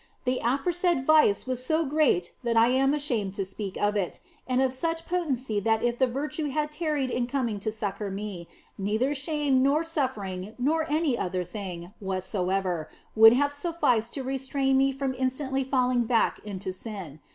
The afore said vice was so great that I am ashamed to speak of it, and of such potency that if the virtue had tarried in coming to succour me, neither shame nor suffering nor any other thing whatsoever would have sufficed to re strain me from instantly falling back into sin.